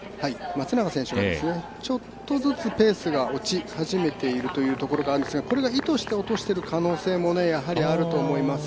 松永選手はちょっとずつペースが落ち始めているというところがあるんですがこれが意図して落としている可能性もやはりあると思います。